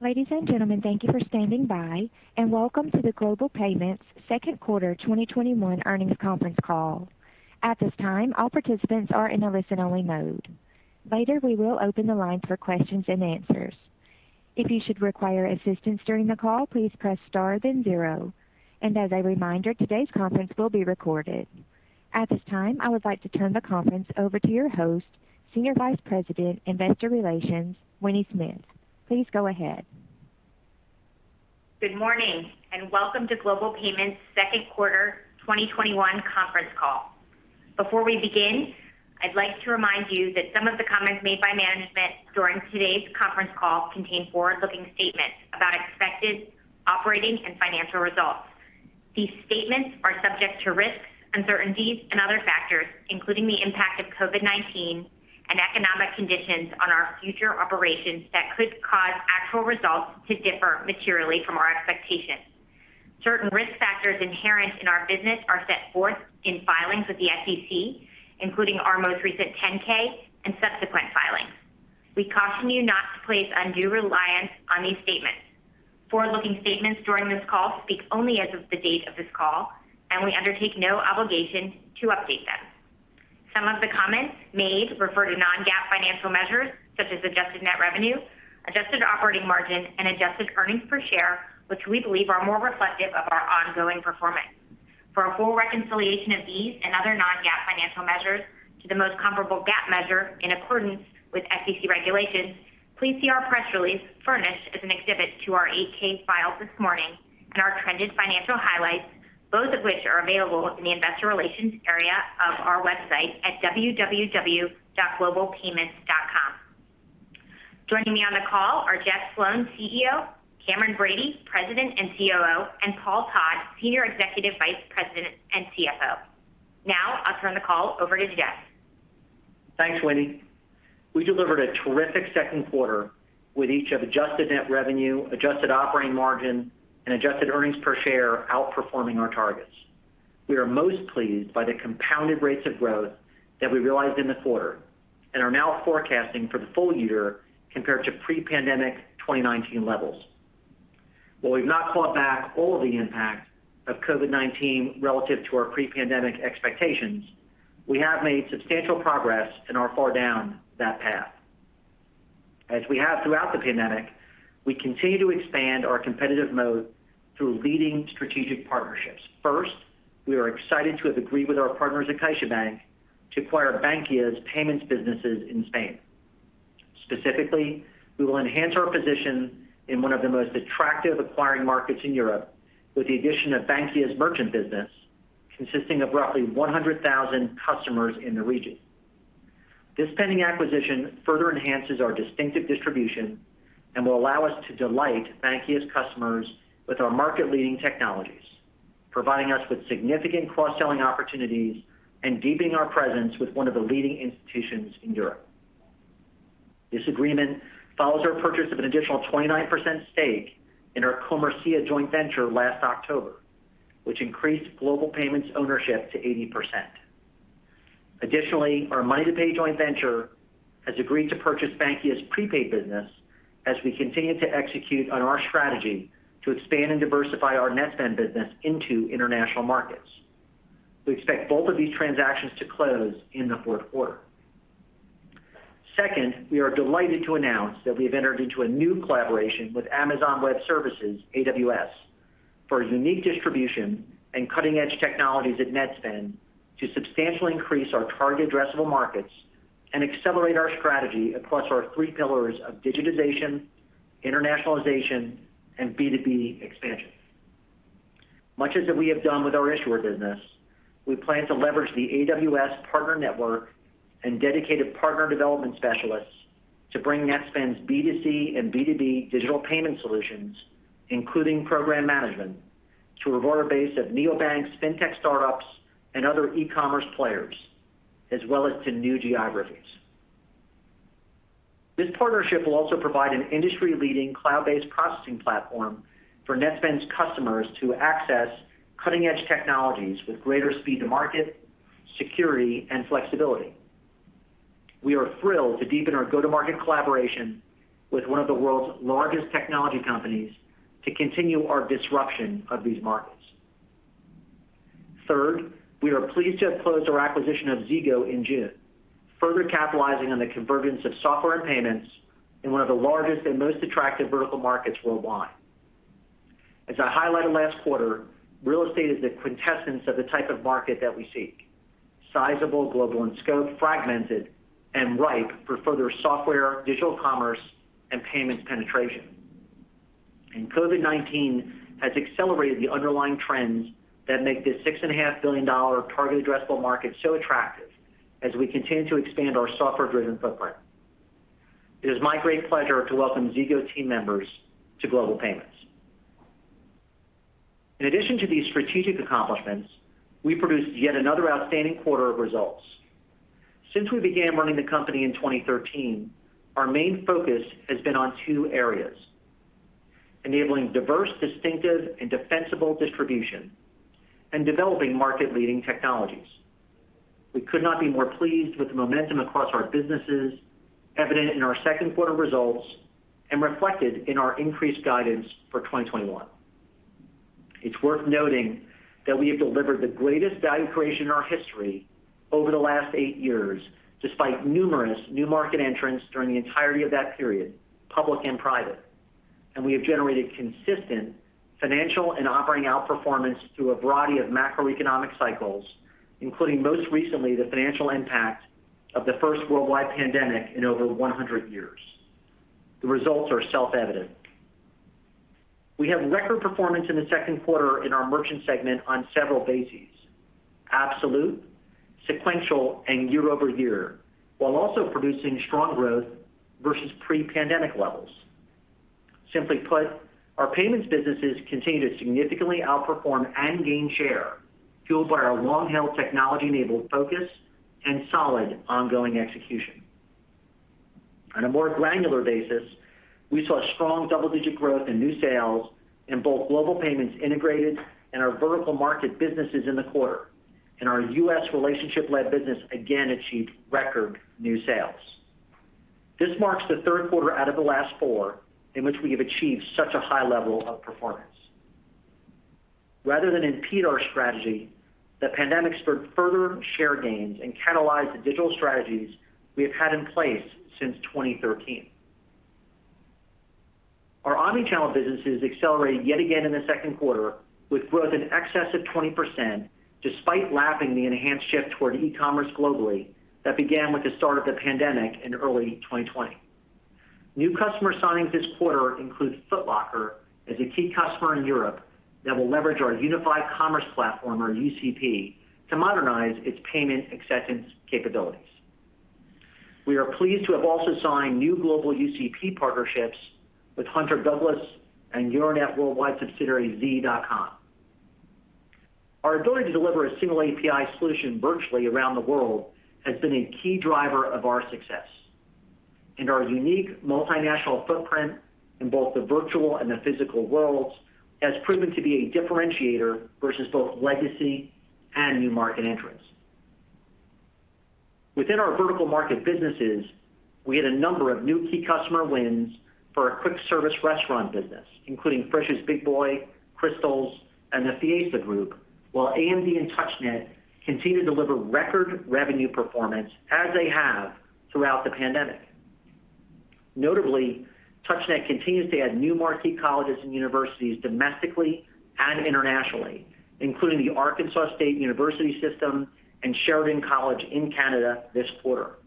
Ladies and gentlemen, thank you for standing by, and welcome to the Global Payments Second Quarter 2021 Earnings conference call. At this time, all participants are in a listen-only mode. Later, we will open the lines for questions and answers. If you should require assistance during the call, please press star then zero. As a reminder, today's conference will be recorded. At this time, I would like to turn the conference over to your host, Senior Vice President, Investor Relations, Winnie Smith. Please go ahead. Good morning, and welcome to Global Payments' second quarter 2021 conference call. Before we begin, I'd like to remind you that some of the comments made by management during today's conference call contain forward-looking statements about expected operating and financial results. These statements are subject to risks, uncertainties and other factors, including the impact of COVID-19 and economic conditions on our future operations that could cause actual results to differ materially from our expectations. Certain risk factors inherent in our business are set forth in filings with the SEC, including our most recent 10-K and subsequent filings. We caution you not to place undue reliance on these statements. Forward-looking statements during this call speak only as of the date of this call, and we undertake no obligation to update them. Some of the comments made refer to non-GAAP financial measures, such as adjusted net revenue, adjusted operating margin, and adjusted earnings per share, which we believe are more reflective of our ongoing performance. For a full reconciliation of these and other non-GAAP financial measures to the most comparable GAAP measure in accordance with SEC regulations, please see our press release furnished as an exhibit to our 8-K filed this morning and our trended financial highlights, both of which are available in the investor relations area of our website at www.globalpayments.com. Joining me on the call are Jeff Sloan, CEO, Cameron Bready, President and COO, and Paul Todd, Senior Executive Vice President and CFO. Now I'll turn the call over to Jeff. Thanks, Winnie. We delivered a terrific second quarter with each of adjusted net revenue, adjusted operating margin, and adjusted earnings per share outperforming our targets. We are most pleased by the compounded rates of growth that we realized in the quarter and are now forecasting for the full year compared to pre-pandemic 2019 levels. While we've not caught back all of the impact of COVID-19 relative to our pre-pandemic expectations, we have made substantial progress and are far down that path. As we have throughout the pandemic, we continue to expand our competitive moat through leading strategic partnerships. First, we are excited to have agreed with our partners at CaixaBank to acquire Bankia's payments businesses in Spain. Specifically, we will enhance our position in one of the most attractive acquiring markets in Europe with the addition of Bankia's Merchant business, consisting of roughly 100,000 customers in the region. This pending acquisition further enhances our distinctive distribution and will allow us to delight Bankia's customers with our market-leading technologies, providing us with significant cross-selling opportunities and deepening our presence with one of the leading institutions in Europe. This agreement follows our purchase of an additional 29% stake in our Comercia joint venture last October, which increased Global Payments' ownership to 80%. Additionally, our MoneyToPay joint venture has agreed to purchase Bankia's prepaid business as we continue to execute on our strategy to expand and diversify our Netspend business into international markets. We expect both of these transactions to close in the fourth quarter. Second, we are delighted to announce that we have entered into a new collaboration with Amazon Web Services, AWS, for its unique distribution and cutting-edge technologies at Netspend to substantially increase our target addressable markets and accelerate our strategy across our three pillars of digitization, internationalization, and B2B expansion. Much as we have done with our Issuer business, we plan to leverage the AWS partner network and dedicated partner development specialists to bring Netspend's B2C and B2B digital payment solutions, including program management, to a broader base of neobanks, fintech startups, and other e-commerce players, as well as to new geographies. This partnership will also provide an industry-leading cloud-based processing platform for Netspend's customers to access cutting-edge technologies with greater speed to market, security, and flexibility. We are thrilled to deepen our go-to-market collaboration with one of the world's largest technology companies to continue our disruption of these markets. Third, we are pleased to have closed our acquisition of Zego in June, further capitalizing on the convergence of software and payments in one of the largest and most attractive vertical markets worldwide. As I highlighted last quarter, real estate is the quintessence of the type of market that we seek: sizable, global in scope, fragmented, and ripe for further software, digital commerce, and payments penetration. COVID-19 has accelerated the underlying trends that make this $6.5 billion target addressable market so attractive as we continue to expand our software-driven footprint. It is my great pleasure to welcome Zego team members to Global Payments. In addition to these strategic accomplishments, we produced yet another outstanding quarter of results. Since we began running the company in 2013, our main focus has been on two areas: enabling diverse, distinctive, and defensible distribution and developing market-leading technologies. We could not be more pleased with the momentum across our businesses, evident in our second quarter results, and reflected in our increased guidance for 2021. It's worth noting that we have delivered the greatest value creation in our history over the last eight years, despite numerous new market entrants during the entirety of that period, public and private. We have generated consistent financial and operating outperformance through a variety of macroeconomic cycles, including most recently, the financial impact of the first worldwide pandemic in over 100 years. The results are self-evident. We have record performance in the second quarter in our Merchant segment on several bases: absolute, sequential, and year-over-year, while also producing strong growth versus pre-pandemic levels. Simply put, our payments businesses continue to significantly outperform and gain share, fueled by our long-held technology-enabled focus and solid ongoing execution. On a more granular basis, we saw strong double-digit growth in new sales in both Global Payments Integrated and our vertical market businesses in the quarter, and our U.S. relationship-led business again achieved record new sales. This marks the third quarter out of the last four in which we have achieved such a high level of performance. Rather than impede our strategy, the pandemic spurred further share gains and catalyzed the digital strategies we have had in place since 2013. Our omnichannel businesses accelerated yet again in the second quarter with growth in excess of 20%, despite lapping the enhanced shift toward e-commerce globally that began with the start of the pandemic in early 2020. New customer signings this quarter include Foot Locker as a key customer in Europe that will leverage our Unified Commerce Platform, or UCP, to modernize its payment acceptance capabilities. We are pleased to have also signed new Global UCP partnerships with Hunter Douglas and Euronet Worldwide subsidiary Xe.com. Our ability to deliver a single API solution virtually around the world has been a key driver of our success, and our unique multinational footprint in both the virtual and the physical worlds has proven to be a differentiator versus both legacy and new market entrants. Within our vertical market businesses, we had a number of new key customer wins for our quick service restaurant business, including Freshii, Big Boy, Krystal, and the Fiesta Restaurant Group, while AdvancedMD and TouchNet continue to deliver record revenue performance as they have throughout the pandemic. Notably, TouchNet continues to add new marquee colleges and universities domestically and internationally, including the Arkansas State University System and Sheridan College in Canada this quarter.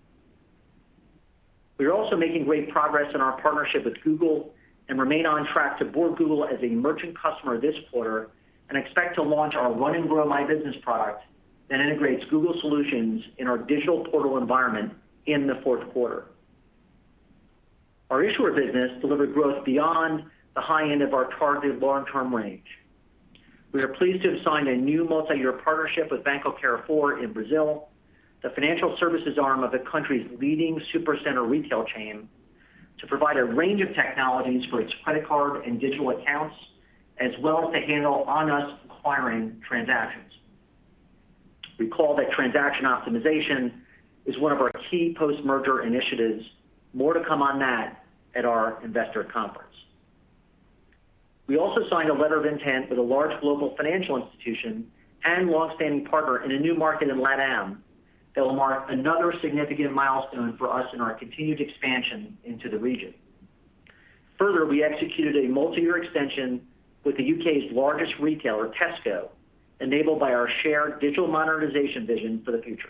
We are also making great progress in our partnership with Google and remain on track to board Google as a merchant customer this quarter and expect to launch our Run and Grow My Business product that integrates Google solutions in our digital portal environment in the fourth quarter. Our Issuer business delivered growth beyond the high end of our targeted long-term range. We are pleased to have signed a new multi-year partnership with Banco Carrefour in Brazil, the financial services arm of the country's leading supercenter retail chain, to provide a range of technologies for its credit card and digital accounts, as well as to handle on-us acquiring transactions. Recall that transaction optimization is one of our key post-merger initiatives. More to come on that at our investor conference. We also signed a letter of intent with a large global financial institution and longstanding partner in a new market in LATAM that will mark another significant milestone for us in our continued expansion into the region. We executed a multi-year extension with the U.K.'s largest retailer, Tesco, enabled by our shared digital modernization vision for the future.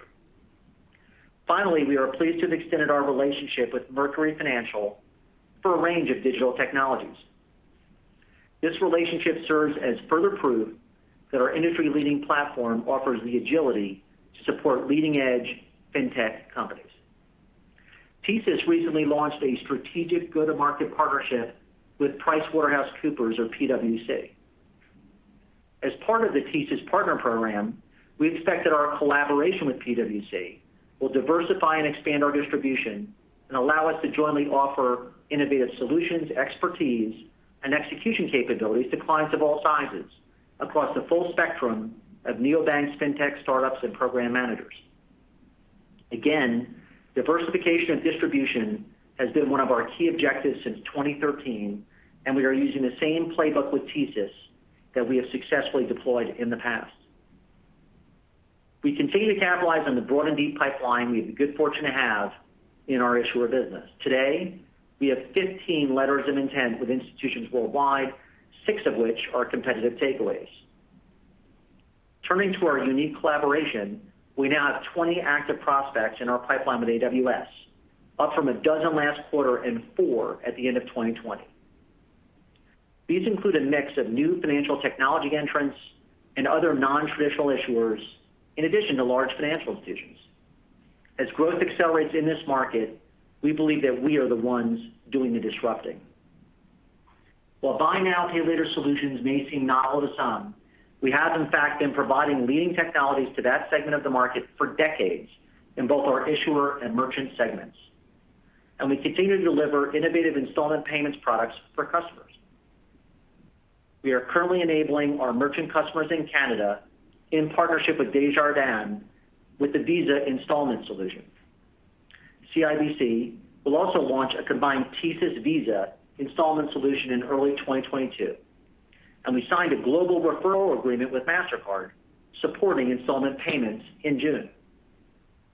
We are pleased to have extended our relationship with Mercury Financial for a range of digital technologies. This relationship serves as further proof that our industry-leading platform offers the agility to support leading-edge fintech companies. TSYS recently launched a strategic go-to-market partnership with PricewaterhouseCoopers or PwC. As part of the TSYS Partner Program, we expect that our collaboration with PwC will diversify and expand our distribution and allow us to jointly offer innovative solutions, expertise, and execution capabilities to clients of all sizes across the full spectrum of neobanks, fintech startups, and program managers. Again, diversification of distribution has been one of our key objectives since 2013, and we are using the same playbook with TSYS that we have successfully deployed in the past. We continue to capitalize on the broad and deep pipeline we have the good fortune to have in our Issuer business. Today, we have 15 letters of intent with institutions worldwide, six of which are competitive takeaways. Turning to our unique collaboration, we now have 20 active prospects in our pipeline with AWS, up from a dozen last quarter and four at the end of 2020. These include a mix of new financial technology entrants and other non-traditional issuers, in addition to large financial institutions. As growth accelerates in this market, we believe that we are the ones doing the disrupting. While Buy Now, Pay Later solutions may seem novel to some, we have in fact been providing leading technologies to that segment of the market for decades in both our Issuer and Merchant segments. We continue to deliver innovative installment payments products for customers. We are currently enabling our Merchant customers in Canada in partnership with Desjardins with the Visa Installment solution. CIBC will also launch a combined TSYS Visa Installment solution in early 2022. We signed a global referral agreement with Mastercard supporting installment payments in June.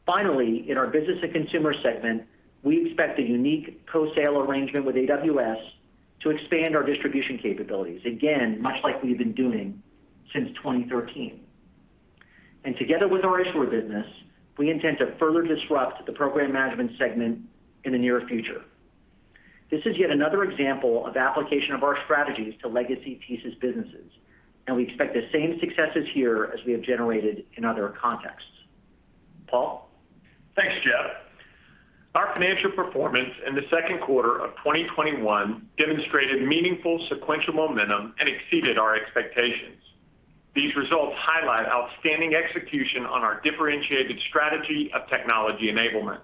Finally, in our Business and Consumer Solutions, we expect a unique co-sale arrangement with AWS to expand our distribution capabilities, again, much like we've been doing since 2013. Together with our Issuer business, we intend to further disrupt the program management segment in the near future. This is yet another example of application of our strategies to legacy TSYS businesses, and we expect the same successes here as we have generated in other contexts. Paul? Thanks, Jeff. Our financial performance in the second quarter of 2021 demonstrated meaningful sequential momentum and exceeded our expectations. These results highlight outstanding execution on our differentiated strategy of technology enablement.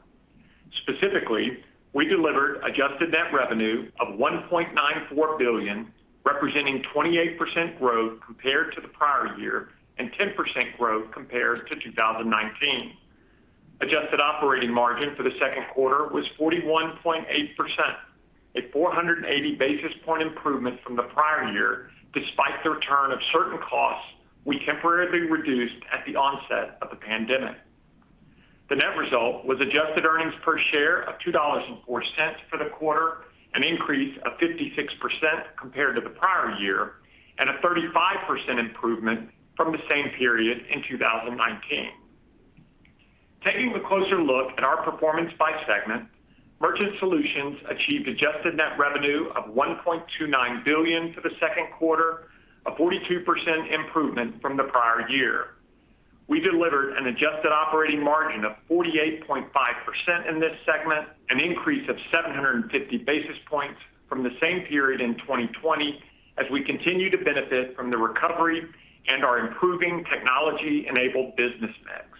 Specifically, we delivered adjusted net revenue of $1.94 billion, representing 28% growth compared to the prior year, and 10% growth compared to 2019. Adjusted operating margin for the second quarter was 41.8%, a 480 basis point improvement from the prior year, despite the return of certain costs we temporarily reduced at the onset of the pandemic. The net result was adjusted earnings per share of $2.04 for the quarter, an increase of 56% compared to the prior year, and a 35% improvement from the same period in 2019. Taking a closer look at our performance by segment, Merchant Solutions achieved adjusted net revenue of $1.29 billion for the second quarter, a 42% improvement from the prior year. We delivered an adjusted operating margin of 48.5% in this segment, an increase of 750 basis points from the same period in 2020, as we continue to benefit from the recovery and our improving technology-enabled business mix.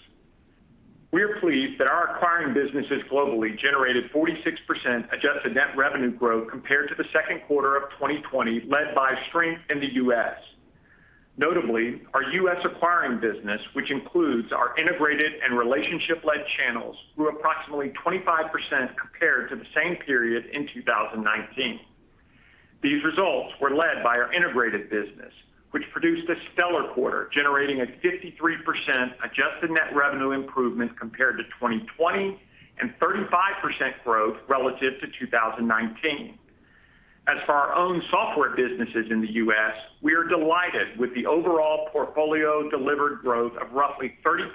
We are pleased that our acquiring businesses globally generated 46% adjusted net revenue growth compared to the second quarter of 2020, led by strength in the U.S. Notably, our U.S. acquiring business, which includes our integrated and relationship-led channels, grew approximately 25% compared to the same period in 2019. These results were led by our integrated business, which produced a stellar quarter, generating a 53% adjusted net revenue improvement compared to 2020, and 35% growth relative to 2019. As for our own software businesses in the U.S., we are delighted with the overall portfolio-delivered growth of roughly 30%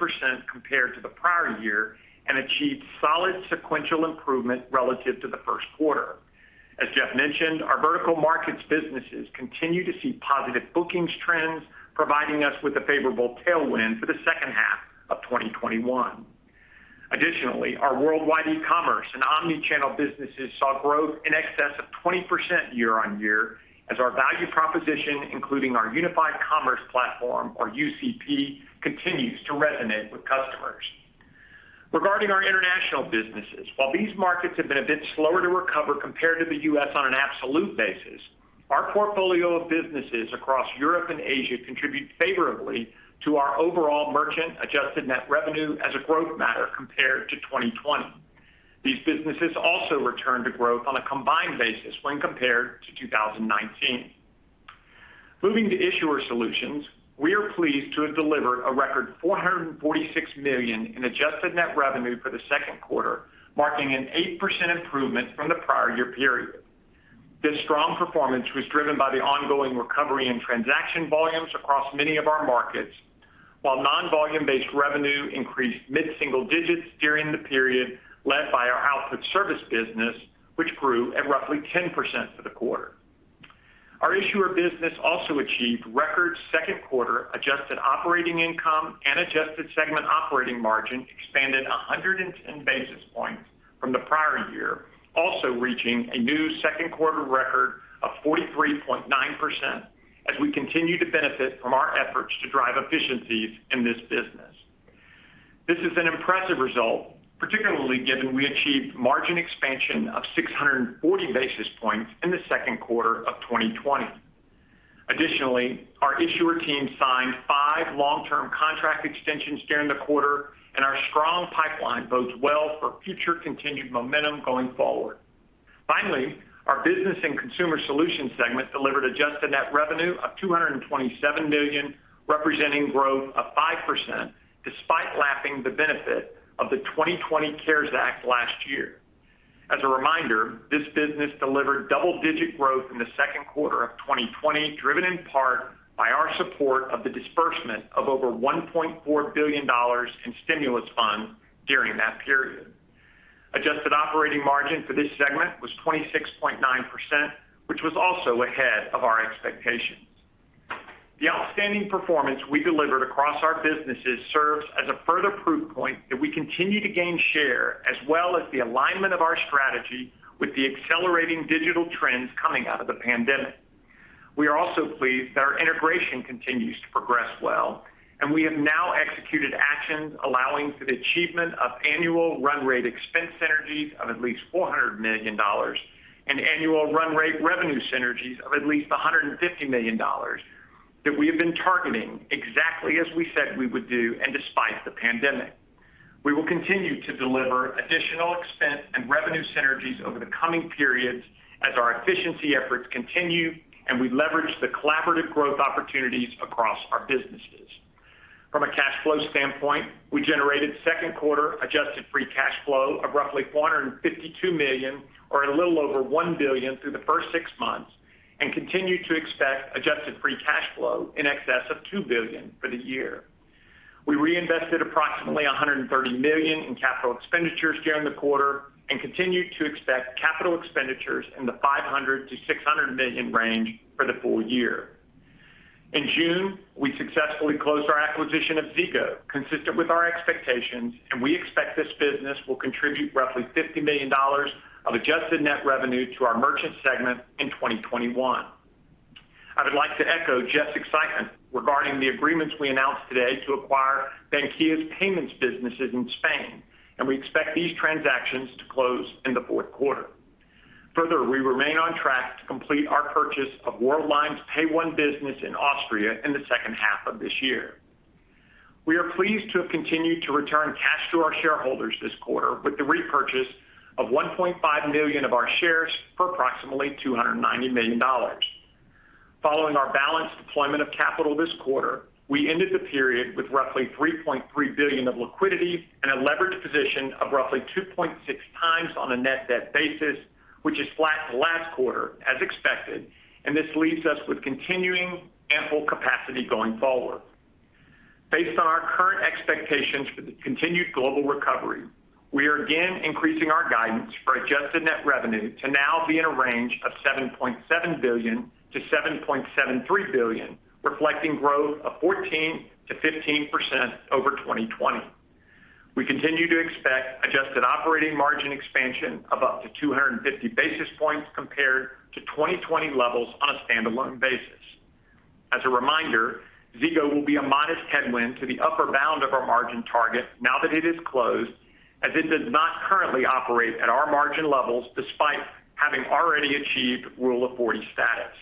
compared to the prior year and achieved solid sequential improvement relative to the first quarter. As Jeff mentioned, our vertical markets businesses continue to see positive bookings trends, providing us with a favorable tailwind for the second half of 2021. Additionally, our worldwide e-commerce and omni-channel businesses saw growth in excess of 20% year-on-year as our value proposition, including our Unified Commerce Platform, or UCP, continues to resonate with customers. Regarding our international businesses, while these markets have been a bit slower to recover compared to the U.S. on an absolute basis, our portfolio of businesses across Europe and Asia contribute favorably to our overall Merchant-adjusted net revenue as a growth matter compared to 2020. These businesses also returned to growth on a combined basis when compared to 2019. Moving to Issuer Solutions, we are pleased to have delivered a record $446 million in adjusted net revenue for the second quarter, marking an 8% improvement from the prior year period. This strong performance was driven by the ongoing recovery in transaction volumes across many of our markets, while non-volume-based revenue increased mid-single digits during the period led by our output service business, which grew at roughly 10% for the quarter. Our Issuer business also achieved record second quarter adjusted operating income and adjusted segment operating margin expanded 110 basis points from the prior year, also reaching a new second quarter record of 43.9% as we continue to benefit from our efforts to drive efficiencies in this business. This is an impressive result, particularly given we achieved margin expansion of 640 basis points in the second quarter of 2020. Our Issuer team signed five long-term contract extensions during the quarter, and our strong pipeline bodes well for future continued momentum going forward. Finally, our Business and Consumer Solutions segment delivered adjusted net revenue of $227 million, representing growth of 5%, despite lapping the benefit of the 2020 CARES Act last year. As a reminder, this business delivered double-digit growth in the second quarter of 2020, driven in part by our support of the disbursement of over $1.4 billion in stimulus funds during that period. Adjusted operating margin for this segment was 26.9%, which was also ahead of our expectations. The outstanding performance we delivered across our businesses serves as a further proof point that we continue to gain share, as well as the alignment of our strategy with the accelerating digital trends coming out of the pandemic. We are also pleased that our integration continues to progress well, and we have now executed actions allowing for the achievement of annual run rate expense synergies of at least $400 million and annual run rate revenue synergies of at least $150 million that we have been targeting exactly as we said we would do and despite the pandemic. We will continue to deliver additional expense and revenue synergies over the coming periods as our efficiency efforts continue and we leverage the collaborative growth opportunities across our businesses. From a cash flow standpoint, we generated second quarter adjusted free cash flow of roughly $452 million or a little over $1 billion through the first six months and continue to expect adjusted free cash flow in excess of $2 billion for the year. We reinvested approximately $130 million in capital expenditures during the quarter and continue to expect capital expenditures in the $500 million-$600 million range for the full year. In June, we successfully closed our acquisition of Zego, consistent with our expectations, and we expect this business will contribute roughly $50 million of adjusted net revenue to our Merchant segment in 2021. I would like to echo Jeff's excitement regarding the agreements we announced today to acquire Bankia's payments businesses in Spain, and we expect these transactions to close in the fourth quarter. Further, we remain on track to complete our purchase of Worldline's PAYONE business in Austria in the second half of this year. We are pleased to have continued to return cash to our shareholders this quarter with the repurchase of 1.5 million of our shares for approximately $290 million. Following our balanced deployment of capital this quarter, we ended the period with roughly $3.3 billion of liquidity and a leverage position of roughly 2.6x on a net debt basis, which is flat to last quarter as expected, and this leaves us with continuing ample capacity going forward. Based on our current expectations for the continued global recovery, we are again increasing our guidance for adjusted net revenue to now be in a range of $7.7 billion-$7.73 billion, reflecting growth of 14%-15% over 2020. We continue to expect adjusted operating margin expansion of up to 250 basis points compared to 2020 levels on a standalone basis. As a reminder, Zego will be a modest headwind to the upper bound of our margin target now that it is closed, as it does not currently operate at our margin levels despite having already achieved Rule of 40 status.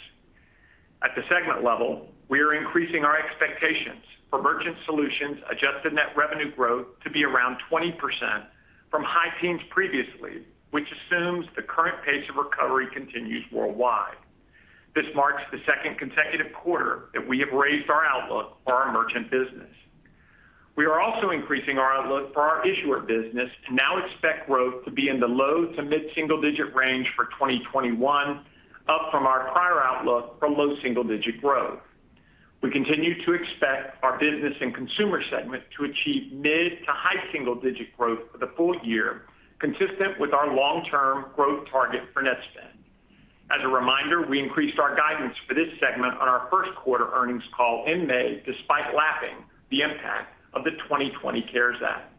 At the segment level, we are increasing our expectations for Merchant Solutions adjusted net revenue growth to be around 20% from high teens previously, which assumes the current pace of recovery continues worldwide. This marks the second consecutive quarter that we have raised our outlook for our Merchant business. We are also increasing our outlook for our Issuer business and now expect growth to be in the low to mid-single digit range for 2021, up from our prior outlook for low double-digit growth. We continue to expect our Business and Consumer Solutions segment to achieve mid-to-high single-digit growth for the full year, consistent with our long-term growth target for Netspend. As a reminder, we increased our guidance for this segment on our first quarter earnings call in May, despite lapping the impact of the 2020 CARES Act.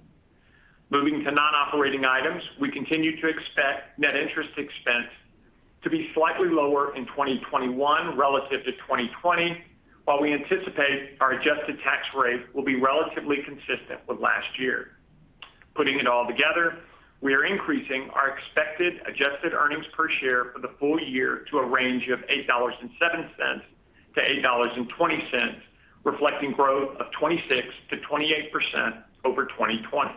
Moving to non-operating items, we continue to expect net interest expense to be slightly lower in 2021 relative to 2020, while we anticipate our adjusted tax rate will be relatively consistent with last year. Putting it all together, we are increasing our expected adjusted earnings per share for the full year to a range of $8.07-$8.20, reflecting growth of 26%-28% over 2020.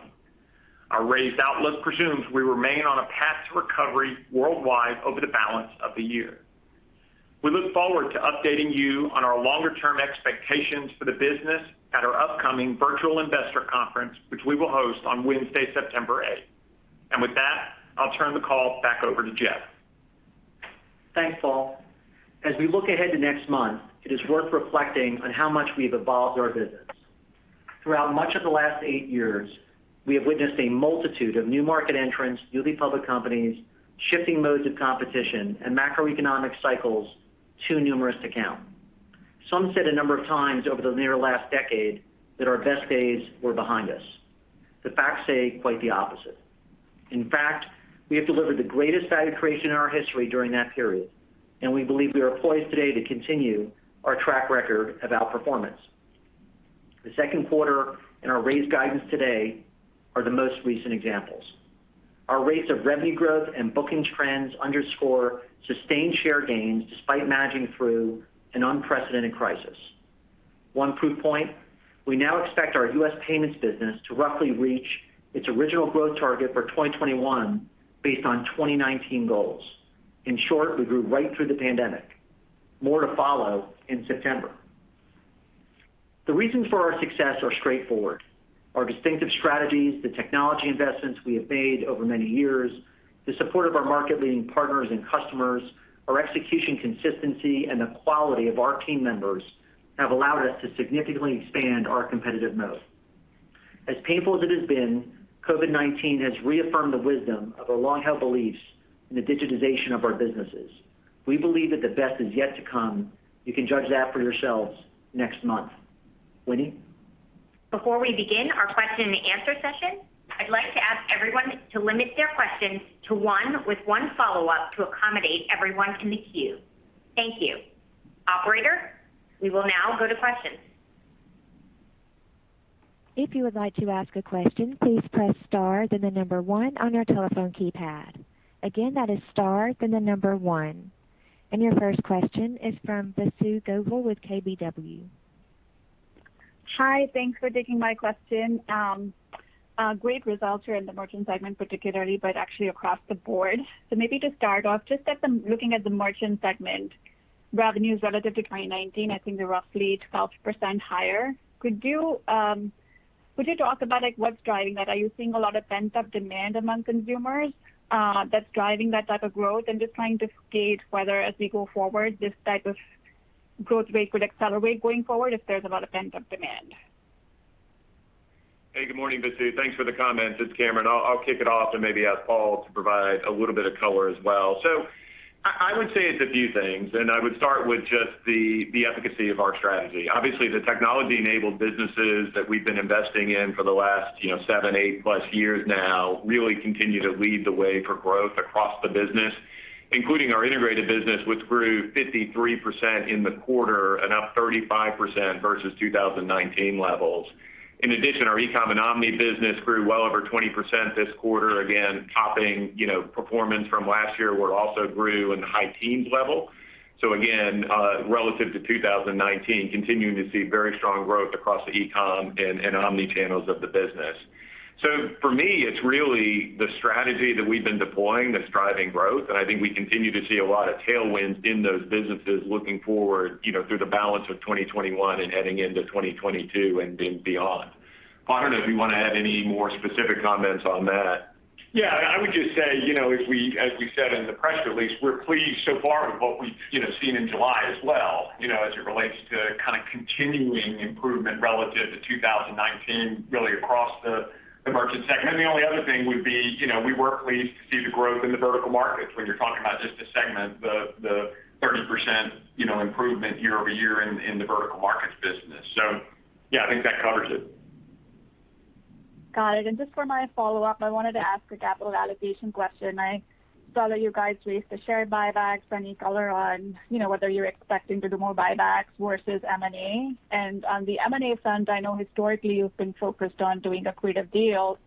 Our raised outlook presumes we remain on a path to recovery worldwide over the balance of the year. We look forward to updating you on our longer-term expectations for the business at our upcoming virtual investor conference, which we will host on Wednesday, September 8th. With that, I'll turn the call back over to Jeff. Thanks, Paul. As we look ahead to next month, it is worth reflecting on how much we've evolved our business. Throughout much of the last eight years, we have witnessed a multitude of new market entrants, newly public companies, shifting modes of competition, and macroeconomic cycles too numerous to count. Some said a number of times over the near last decade that our best days were behind us. The facts say quite the opposite. In fact, we have delivered the greatest value creation in our history during that period, and we believe we are poised today to continue our track record of outperformance. The second quarter and our raised guidance today are the most recent examples. Our rates of revenue growth and bookings trends underscore sustained share gains despite managing through an unprecedented crisis. One proof point, we now expect our U.S. payments business to roughly reach its original growth target for 2021 based on 2019 goals. In short, we grew right through the pandemic. More to follow in September. The reasons for our success are straightforward. Our distinctive strategies, the technology investments we have made over many years, the support of our market-leading partners and customers, our execution consistency, and the quality of our team members have allowed us to significantly expand our competitive moat. As painful as it has been, COVID-19 has reaffirmed the wisdom of our long-held beliefs in the digitization of our businesses. We believe that the best is yet to come. You can judge that for yourselves next month. Winnie? Before we begin our question and answer session, I'd like to ask everyone to limit their questions to one with one follow-up to accommodate everyone in the queue. Thank you. Operator, we will now go to questions. If you would like to ask a question, please press star, then the number one on your telephone keypad. Again, that is star then the number one. Your first question is from Vasu Govil with KBW. Hi. Thanks for taking my question. Great results here in the Merchant segment particularly, actually across the board. Maybe to start off, just looking at the Merchant segment revenues relative to 2019, I think they're roughly 12% higher. Could you talk about what's driving that? Are you seeing a lot of pent-up demand among consumers that's driving that type of growth? Just trying to gauge whether as we go forward, this type of growth rate could accelerate going forward if there's a lot of pent-up demand. Hey, good morning, Vasu. Thanks for the comments. It's Cameron. I'll kick it off and maybe ask Paul to provide a little bit of color as well. I would say it's a few things, and I would start with just the efficacy of our strategy. Obviously, the technology-enabled businesses that we've been investing in for the last seven, 8+ years now really continue to lead the way for growth across the business, including our integrated business, which grew 53% in the quarter and up 35% versus 2019 levels. In addition, our e-com and omni business grew well over 20% this quarter, again, topping performance from last year, where it also grew in the high teens level. Again, relative to 2019, continuing to see very strong growth across the e-com and omnichannels of the business. For me, it's really the strategy that we've been deploying that's driving growth, and I think we continue to see a lot of tailwinds in those businesses looking forward through the balance of 2021 and heading into 2022 and then beyond. Paul, I don't know if you want to add any more specific comments on that. Yeah, I would just say, as we said in the press release, we're pleased so far with what we've seen in July as well as it relates to continuing improvement relative to 2019, really across the Merchant segment. The only other thing would be, we were pleased to see the growth in the vertical markets when you're talking about just the segment, the 30% improvement year-over-year in the vertical markets business. Yeah, I think that covers it. Got it. Just for my follow-up, I wanted to ask a capital allocation question. I saw that you guys raised the share buybacks. Any color on whether you're expecting to do more buybacks versus M&A? On the M&A front, I know historically you've been focused on doing accretive deals,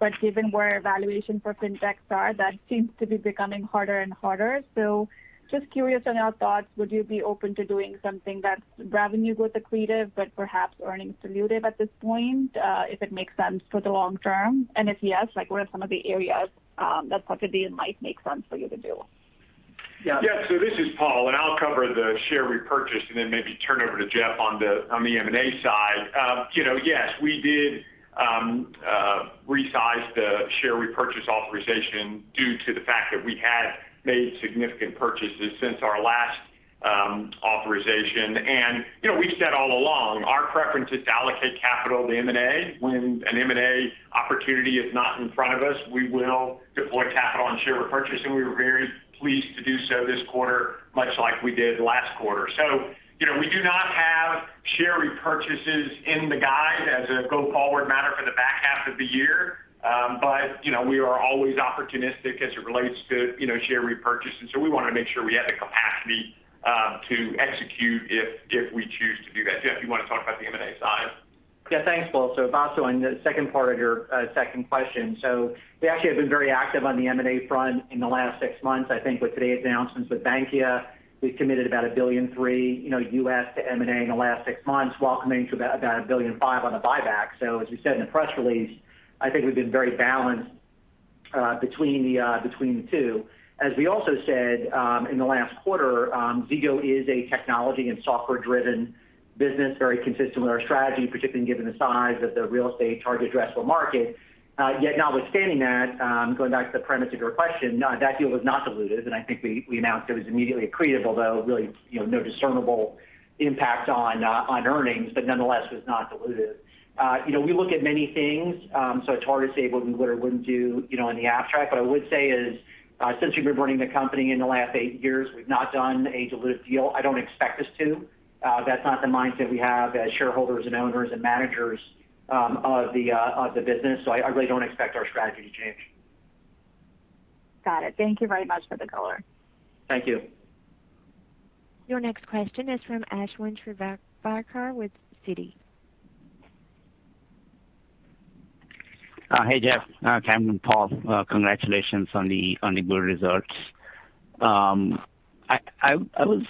but given where valuations for fintechs are, that seems to be becoming harder and harder. Just curious on your thoughts. Would you be open to doing something that's revenue with accretive but perhaps earnings dilutive at this point if it makes sense for the long term? If yes, what are some of the areas that possibly might make sense for you to do? Yeah. This is Paul, and I'll cover the share repurchase and then maybe turn over to Jeff on the M&A side. We did resize the share repurchase authorization due to the fact that we had made significant purchases since our last authorization. We've said all along, our preference is to allocate capital to M&A. When an M&A opportunity is not in front of us, we will deploy capital and share repurchase, and we were very pleased to do so this quarter, much like we did last quarter. We do not have share repurchases in the guide as a go-forward matter for the back half of the year. We are always opportunistic as it relates to share repurchases, so we want to make sure we have the capacity to execute if we choose to do that. Jeff, you want to talk about the M&A side? Yeah. Thanks, Paul. Vasu, on the second part of your second question. We actually have been very active on the M&A front in the last six months. I think with today's announcements with Bankia, we've committed about $1.3 billion to M&A in the last six months, while committing to about $1.5 billion on the buyback. As we said in the press release, I think we've been very balanced between the two. As we also said in the last quarter, Zego is a technology and software-driven business, very consistent with our strategy, particularly given the size of the real estate target addressable market. Yet notwithstanding that, going back to the premise of your question, that deal was not dilutive, and I think we announced it was immediately accretive, although really no discernible impact on earnings, but nonetheless was not dilutive. We look at many things. It's hard to say what we would or wouldn't do in the abstract. What I would say is, since we've been running the company in the last eight years, we've not done a dilutive deal. I don't expect us to. That's not the mindset we have as shareholders and owners and managers of the business. I really don't expect our strategy to change. Got it. Thank you very much for the color. Thank you. Your next question is from Ashwin Shirvaikar with Citi. Hey, Jeff, Cameron, Paul. Congratulations on the good results. I was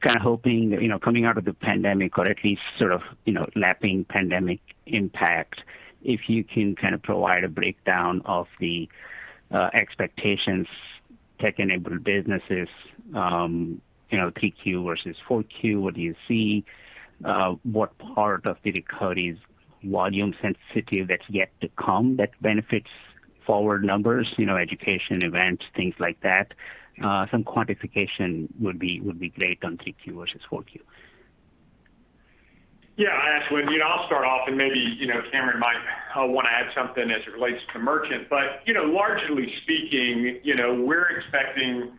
kind of hoping, coming out of the pandemic or at least sort of lapping pandemic impact, if you can provide a breakdown of the expectations, tech-enabled businesses, 3Q versus 4Q, what do you see? What part of the records volume sensitivity that's yet to come that benefits forward numbers, education, events, things like that? Some quantification would be great on 3Q versus 4Q. Yeah. Ashwin, I'll start off and maybe Cameron might want to add something as it relates to Merchant. Largely speaking, we're expecting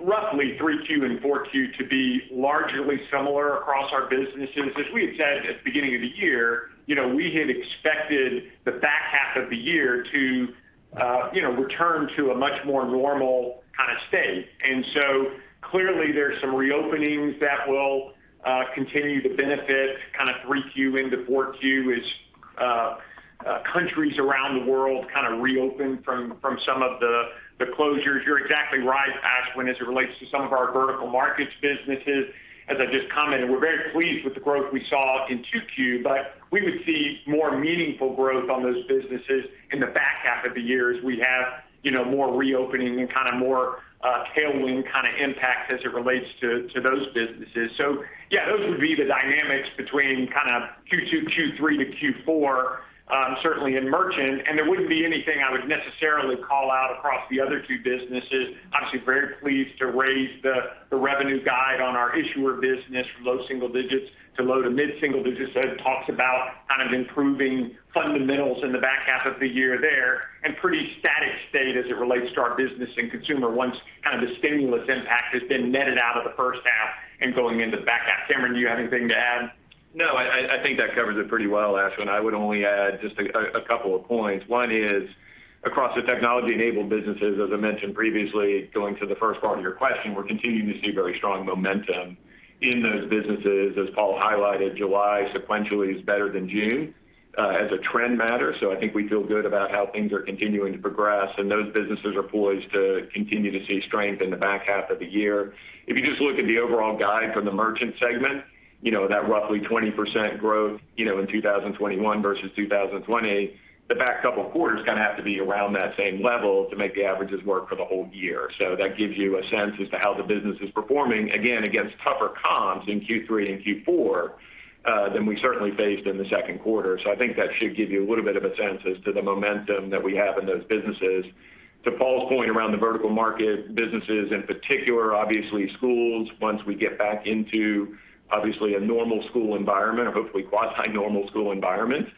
Roughly 3Q and 4Q to be largely similar across our businesses. As we had said at the beginning of the year, we had expected the back half of the year to return to a much more normal kind of state. Clearly there's some reopenings that will continue to benefit kind of 3Q into 4Q as countries around the world kind of reopen from some of the closures. You're exactly right, Ashwin, as it relates to some of our vertical markets businesses. As I just commented, we're very pleased with the growth we saw in Q2, but we would see more meaningful growth on those businesses in the back half of the year as we have more reopening and kind of more tailwind kind of impact as it relates to those businesses. Those would be the dynamics between kind of Q2, Q3 to Q4, certainly in Merchant, and there wouldn't be anything I would necessarily call out across the other two businesses. Obviously very pleased to raise the revenue guide on our Issuer business from low single digits to low to mid single digits. It talks about kind of improving fundamentals in the back half of the year there, and pretty static state as it relates to our Business and Consumer once kind of the stimulus impact has been netted out of the first half and going into the back half. Cameron, do you have anything to add? No, I think that covers it pretty well, Ashwin. I would only add just a couple of points. One is across the technology-enabled businesses, as I mentioned previously, going to the first part of your question, we're continuing to see very strong momentum in those businesses. As Paul highlighted, July sequentially is better than June, as a trend matter. I think we feel good about how things are continuing to progress, and those businesses are poised to continue to see strength in the back half of the year. If you just look at the overall guide from the Merchant segment, that roughly 20% growth in 2021 versus 2020, the back couple of quarters kind of have to be around that same level to make the averages work for the whole year. That gives you a sense as to how the business is performing, again, against tougher comps in Q3 and Q4, than we certainly faced in the second quarter. I think that should give you a little bit of a sense as to the momentum that we have in those businesses. To Paul's point around the vertical market businesses in particular, obviously schools, once we get back into obviously a normal school environment or hopefully quasi-normal school environment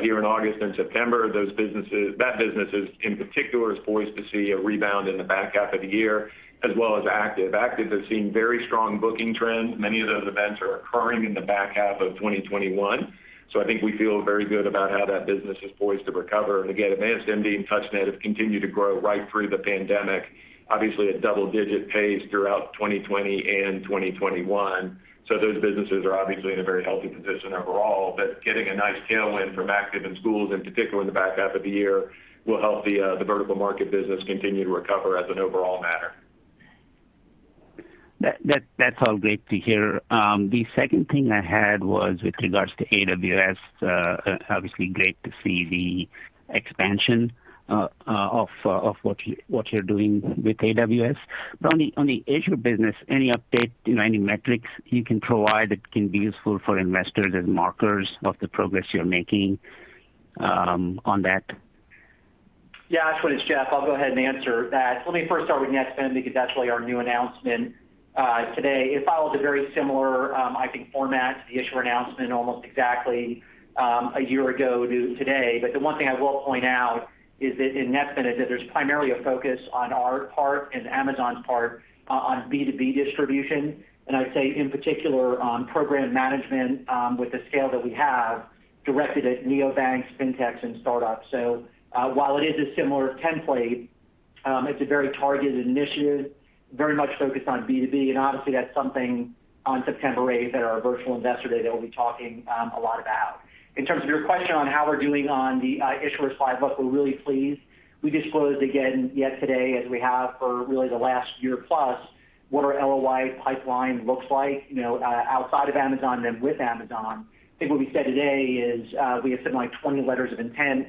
here in August and September, that business is in particular is poised to see a rebound in the back half of the year, as well as ACTIVE. ACTIVE has seen very strong booking trends. Many of those events are occurring in the back half of 2021. I think we feel very good about how that business is poised to recover. Again, AdvancedMD and TouchNet have continued to grow right through the pandemic, obviously at double-digit pace throughout 2020 and 2021. Those businesses are obviously in a very healthy position overall. Getting a nice tailwind from ACTIVE in schools in particular in the back half of the year will help the vertical market business continue to recover as an overall matter. That's all great to hear. The second thing I had was with regards to AWS. Obviously great to see the expansion of what you're doing with AWS. On the Issuer business, any update, any metrics you can provide that can be useful for investors as markers of the progress you're making on that? Yeah, Ashwin, it's Jeff. I'll go ahead and answer that. Let me first start with Netspend because that's really our new announcement today. It follows a very similar, I think, format to the Issuer announcement almost exactly a year ago today. The one thing I will point out is that in Netspend is that there's primarily a focus on our part and Amazon's part on B2B distribution, and I'd say in particular on program management with the scale that we have directed at neobanks, fintechs, and startups. While it is a similar template, it's a very targeted initiative, very much focused on B2B, and obviously that's something on September 8th at our virtual investor day that we'll be talking a lot about. In terms of your question on how we're doing on the Issuers side, look, we're really pleased. We disclosed again yesterday as we have for really the last year plus what our LOI pipeline looks like outside of Amazon than with Amazon. I think what we said today is we have something like 20 letters of intent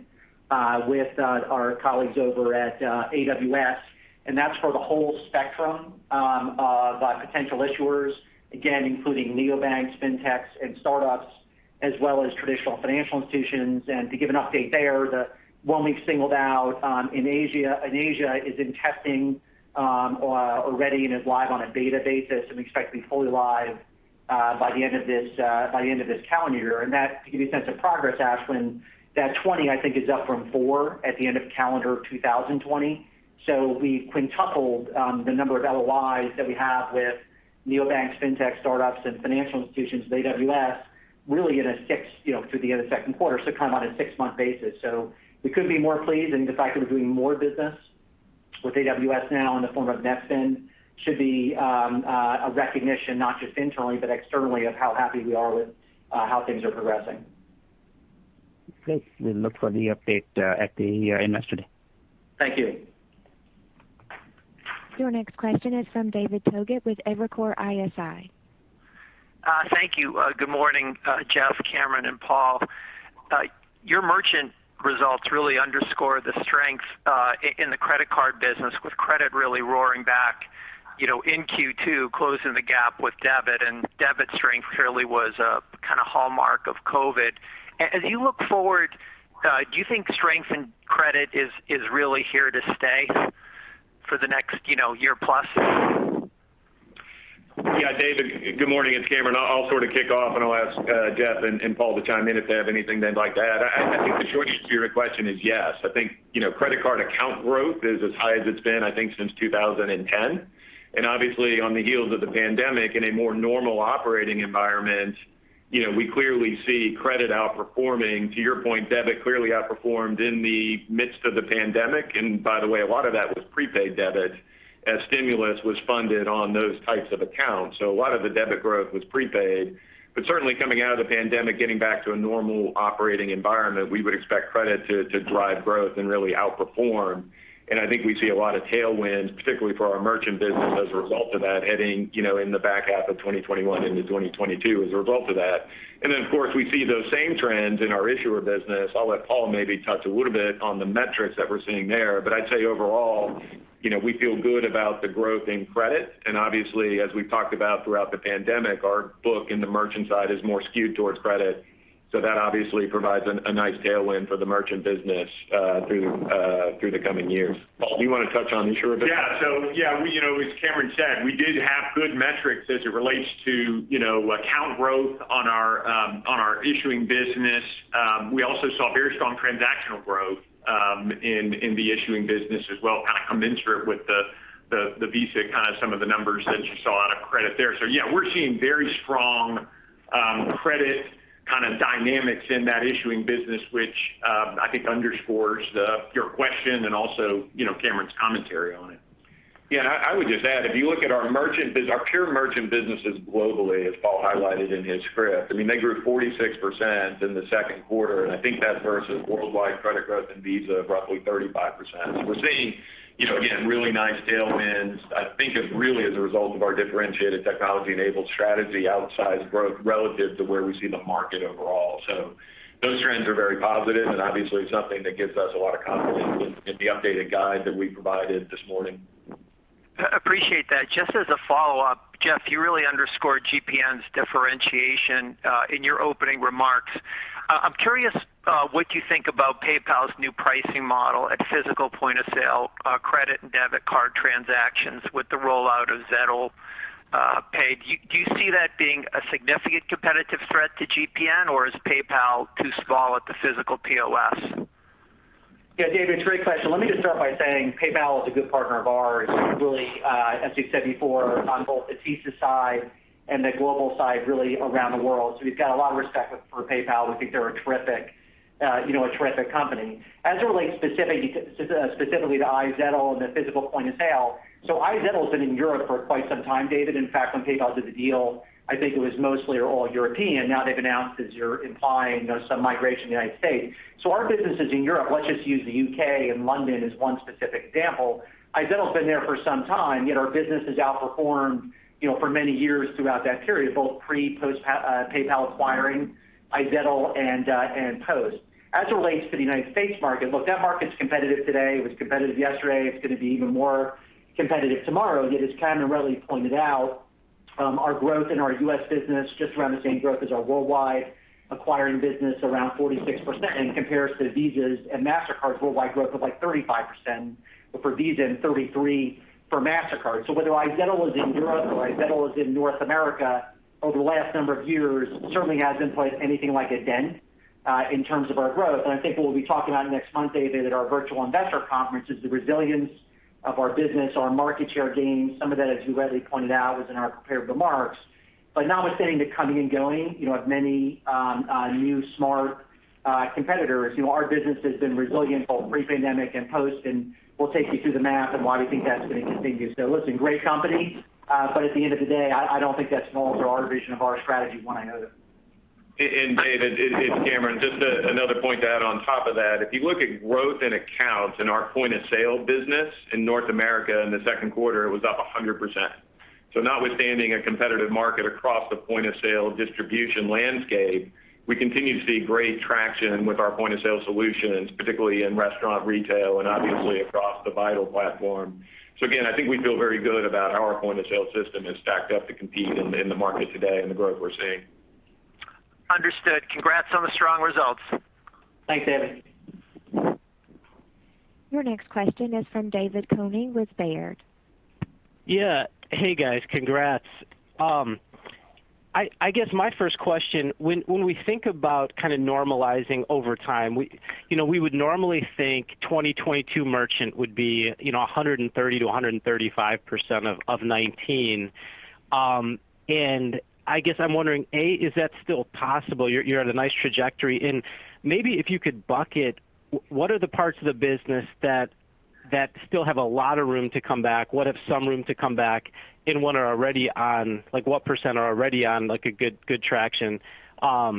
with our colleagues over at AWS. That's for the whole spectrum of potential issuers, again, including neobanks, fintechs, and startups, as well as traditional financial institutions. To give an update there, the one we've singled out in Asia is in testing already and is live on a beta basis, and we expect to be fully live by the end of this calendar year. That, to give you a sense of progress, Ashwin, that 20, I think, is up from four at the end of calendar 2020. We've quintupled the number of LOIs that we have with neobanks, fintech, startups, and financial institutions with AWS really through the end of second quarter, so kind of on a six-month basis. We couldn't be more pleased, and the fact that we're doing more business with AWS now in the form of Netspend should be a recognition not just internally, but externally of how happy we are with how things are progressing. Great. Will look for the update at the investor day. Thank you. Your next question is from David Togut with Evercore ISI. Thank you. Good morning, Jeff, Cameron, and Paul. Your Merchant results really underscore the strength in the credit card business with credit really roaring back in Q2, closing the gap with debit. Debit strength clearly was a kind of hallmark of COVID. As you look forward, do you think strength in credit is really here to stay for the next year plus? Yeah David. Good morning, it's Cameron. I'll sort of kick off, and I'll ask Jeff and Paul to chime in if they have anything they'd like to add. I think the short answer to your question is yes. I think credit card account growth is as high as it's been, I think, since 2010. Obviously, on the heels of the pandemic, in a more normal operating environment, we clearly see credit outperforming. To your point, debit clearly outperformed in the midst of the pandemic. By the way, a lot of that was prepaid debit as stimulus was funded on those types of accounts. A lot of the debit growth was prepaid. Certainly coming out of the pandemic, getting back to a normal operating environment, we would expect credit to drive growth and really outperform. I think we see a lot of tailwinds, particularly for our Merchant business as a result of that heading in the back half of 2021 into 2022 as a result of that. Then, of course, we see those same trends in our Issuer business. I'll let Paul maybe touch a little bit on the metrics that we're seeing there. I'd tell you overall, we feel good about the growth in credit. Obviously, as we've talked about throughout the pandemic, our book in the Merchant side is more skewed towards credit. That obviously provides a nice tailwind for the Merchant business through the coming years. Paul, do you want to touch on the Issuer business? Yeah. As Cameron said, we did have good metrics as it relates to account growth on our Issuing business. We also saw very strong transactional growth in the Issuing business as well, kind of commensurate with the Visa kind of some of the numbers that you saw out of credit there. Yeah, we're seeing very strong credit kind of dynamics in that Issuing business, which I think underscores your question and also Cameron's commentary on it. I would just add, if you look at our pure Merchant businesses globally, as Paul highlighted in his script, they grew 46% in the second quarter, and I think that versus worldwide credit growth in Visa of roughly 35%. We are seeing again, really nice tailwinds. I think it really is a result of our differentiated technology-enabled strategy, outsized growth relative to where we see the market overall. Those trends are very positive and obviously something that gives us a lot of confidence in the updated guide that we provided this morning. Appreciate that. Just as a follow-up, Jeff, you really underscored GPN's differentiation in your opening remarks. I'm curious what you think about PayPal's new pricing model at physical point-of-sale credit and debit card transactions with the rollout of Zettle Pay. Do you see that being a significant competitive threat to GPN, or is PayPal too small at the physical POS? David, great question. Let me just start by saying PayPal is a good partner of ours, really, as we've said before, on both the TSYS side and the global side, really around the world. We've got a lot of respect for PayPal. We think they're a terrific company. As it relates specifically to iZettle and the physical point of sale, iZettle's been in Europe for quite some time, David. In fact, when PayPal did the deal, I think it was mostly or all European. Now they've announced, as you're implying, some migration to the United States. Our businesses in Europe, let's just use the U.K. and London as one specific example. iZettle's been there for some time, yet our business has outperformed for many years throughout that period, both pre-post PayPal acquiring iZettle and post. As it relates to the United States market, look, that market's competitive today. It was competitive yesterday. It's going to be even more competitive tomorrow. As Cameron readily pointed out, our growth in our U.S. business just around the same growth as our worldwide acquiring business, around 46%, in comparison to Visa's and Mastercard's worldwide growth of like 35% for Visa and 33% for Mastercard. So whether iZettle was in Europe or iZettle was in North America over the last number of years certainly hasn't played anything like a den in terms of our growth. And I think what we'll be talking about next month, David, at our virtual investor conference is the resilience of our business, our market share gains. Some of that, as you readily pointed out, was in our prepared remarks. Notwithstanding the coming and going of many new smart competitors, our business has been resilient both pre-pandemic and post, and we'll take you through the math and why we think that's going to continue. Listen, great company. At the end of the day, I don't think that's going to alter our vision of our strategy one iota. David, it's Cameron. Just another point to add on top of that. If you look at growth in accounts in our point-of-sale business in North America in the second quarter, it was up 100%. Notwithstanding a competitive market across the point-of-sale distribution landscape, we continue to see great traction with our point-of-sale solutions, particularly in restaurant retail and obviously across the Vital platform. Again, I think we feel very good about how our point-of-sale system is stacked up to compete in the market today and the growth we're seeing. Understood. Congrats on the strong results. Thanks, Dave. Your next question is from David Koning with Baird. Yeah. Hey, guys. Congrats. I guess my first question, when we think about kind of normalizing over time, we would normally think 2022 Merchant would be 130%-135% of 2019. I guess I'm wondering, A, is that still possible? You're at a nice trajectory. Maybe if you could bucket what are the parts of the business that still have a lot of room to come back? What have some room to come back? What percent are already on a good traction? I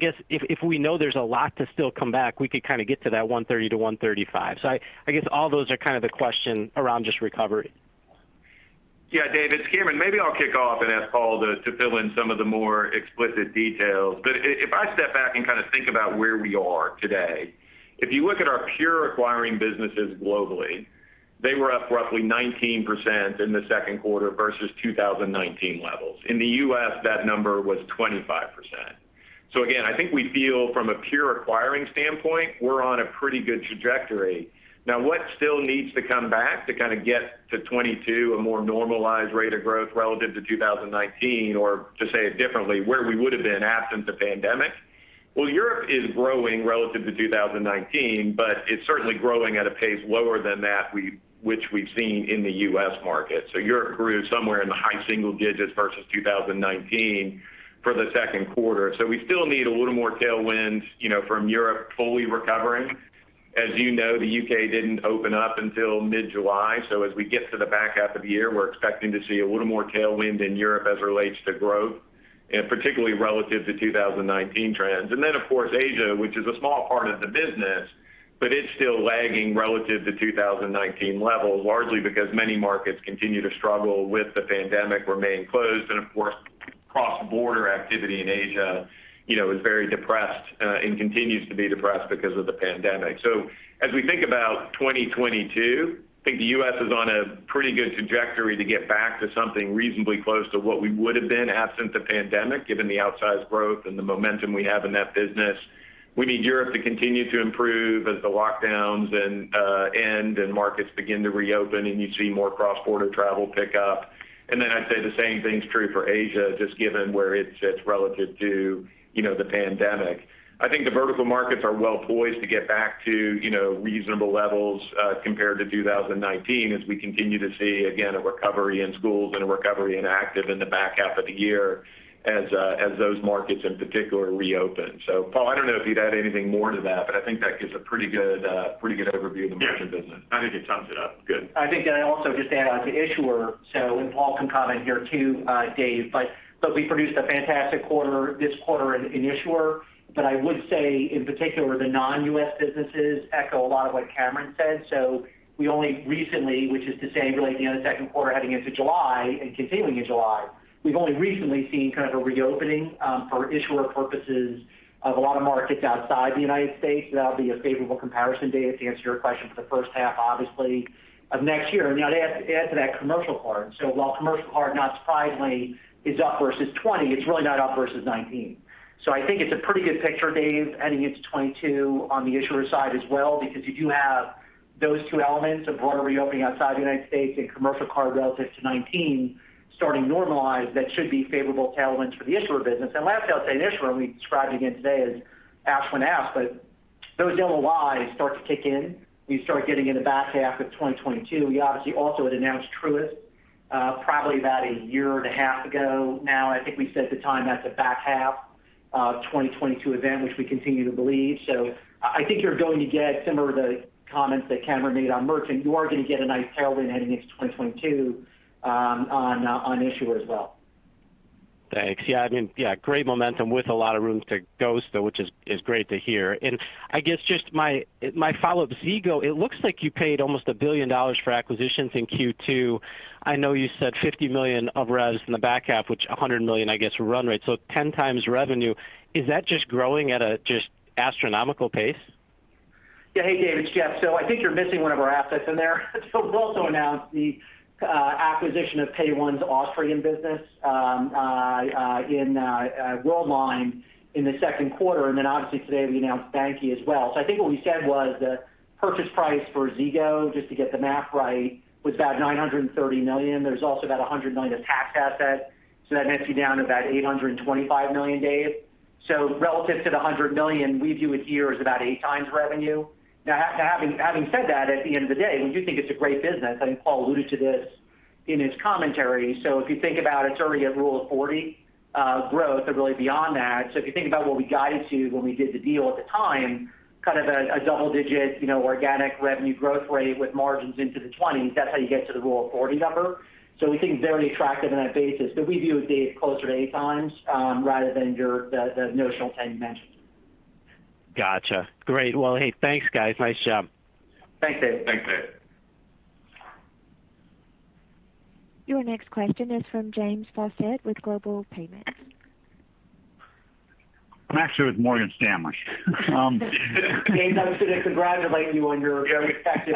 guess if we know there's a lot to still come back, we could kind of get to that 130%-135%. I guess all those are kind of the question around just recovery. David, it's Cameron. Maybe I'll kick off and ask Paul to fill in some of the more explicit details. If I step back and kind of think about where we are today, if you look at our pure acquiring businesses globally, they were up roughly 19% in the second quarter versus 2019 levels. In the U.S., that number was 25%. Again, I think we feel from a pure acquiring standpoint, we're on a pretty good trajectory. What still needs to come back to kind of get to 2022 a more normalized rate of growth relative to 2019, or to say it differently, where we would've been absent the pandemic? Well, Europe is growing relative to 2019, but it's certainly growing at a pace lower than that which we've seen in the U.S. market. Europe grew somewhere in the high single digits versus 2019 for the second quarter. We still need a little more tailwind from Europe fully recovering. As you know, the U.K. didn't open up until mid-July, so as we get to the back half of the year, we're expecting to see a little more tailwind in Europe as it relates to growth, and particularly relative to 2019 trends. Then, of course, Asia, which is a small part of the business, but it's still lagging relative to 2019 levels, largely because many markets continue to struggle with the pandemic, remain closed, and of course, cross-border activity in Asia is very depressed and continues to be depressed because of the pandemic. As we think about 2022, I think the U.S. is on a pretty good trajectory to get back to something reasonably close to what we would've been absent the pandemic, given the outsized growth and the momentum we have in that business. We need Europe to continue to improve as the lockdowns end and markets begin to reopen, and you see more cross-border travel pick up. Then I'd say the same thing's true for Asia, just given where it sits relative to the pandemic. I think the vertical markets are well-poised to get back to reasonable levels compared to 2019 as we continue to see, again, a recovery in schools and a recovery in ACTIVE in the back half of the year as those markets in particular reopen. Paul, I don't know if you'd add anything more to that, but I think that gives a pretty good overview of the Merchant business. Yeah. I think it sums it up good. I think that I also just add on to Issuer, so and Paul can comment here too, Dave, but we produced a fantastic quarter this quarter in Issuer. I would say in particular, the non-U.S. businesses echo a lot of what Cameron said. We only recently, which is to say really at the end of the second quarter heading into July and continuing in July, we've only recently seen kind of a reopening, for Issuer purposes, of a lot of markets outside the United States. That'll be a favorable comparison, Dave, to answer your question for the first half, obviously, of next year. Now to add to that commercial card. While commercial card, not surprisingly, is up versus 2020, it's really not up versus 2019. I think it's a pretty good picture, Dave, heading into 2022 on the Issuer side as well because you do have those two elements of broader reopening outside the United States and commercial card relative to 2019 starting to normalize. That should be favorable tailwinds for the Issuer business. Last, I'll say in Issuer, we described again today as asked when asked, those LOIs start to kick in, we start getting into the back half of 2022. We obviously also had announced Truist probably about a year and a half ago now. I think we set the time as the back half of 2022 event, which we continue to believe. I think you're going to get similar to the comments that Cameron made on Merchant. You are going to get a nice tailwind heading into 2022 on Issuer as well. Thanks. Yeah. Great momentum with a lot of room to go still, which is great to hear. I guess just my follow-up, Zego, it looks like you paid almost $1 billion for acquisitions in Q2. I know you said $50 million of revs in the back half, which $100 million, I guess, run rate. So 10x revenue. Is that just growing at a just astronomical pace? Yeah. Hey, Dave, it's Jeff. I think you're missing one of our assets in there. We also announced the acquisition of PAYONE's Austrian business in Worldline in the second quarter, obviously today we announced Bankia as well. I think what we said was the purchase price for Zego, just to get the math right, was about $930 million. There's also about $100 million of tax assets, that nets you down to about $825 million, Dave. Relative to the $100 million, we view a year as about 8x revenue. Having said that, at the end of the day, we do think it's a great business. I think Paul alluded to this in his commentary. If you think about it's already at Rule of 40 growth or really beyond that. If you think about what we guided to when we did the deal at the time, kind of a double-digit organic revenue growth rate with margins into the 20s, that's how you get to the Rule of 40 number. We think it's very attractive on that basis. We view it, Dave, closer to 8x, rather than the notional 10x you mentioned. Gotcha. Great. Well, hey, thanks, guys. Nice job. Thanks, Dave. Thanks Dave. Your next question is from James Faucette with Global Payments. I'm actually with Morgan Stanley. James, I was going to congratulate you on your very effective.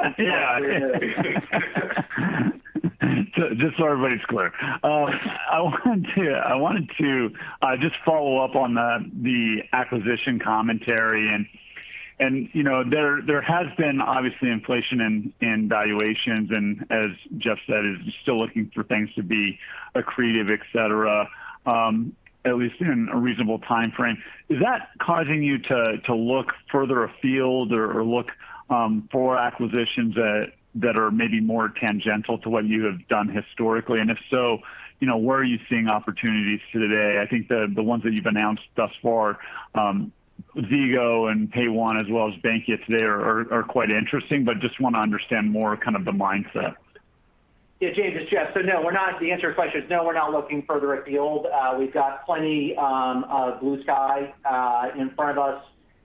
Yeah. Just so everybody's clear. I wanted to just follow up on the acquisition commentary, and there has been obviously inflation in valuations, and as Jeff said, is still looking for things to be accretive, et cetera, at least in a reasonable timeframe. Is that causing you to look further afield or look for acquisitions that are maybe more tangential to what you have done historically? If so, where are you seeing opportunities today? I think the ones that you've announced thus far, Zego and PAYONE as well as Bankia today, are quite interesting, but just want to understand more kind of the mindset. Yeah, James, it's Jeff. No, to answer your question, is no, we're not looking further afield. We've got plenty of blue sky in front of us